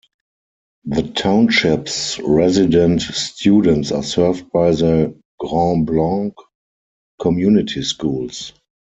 The Township's resident students are served by the Grand Blanc Community Schools.